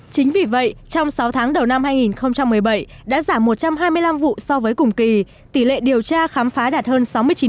chính vì vậy trong sáu tháng đầu năm hai nghìn một mươi bảy đã giảm một trăm hai mươi năm vụ so với cùng kỳ tỷ lệ điều tra khám phá đạt hơn sáu mươi chín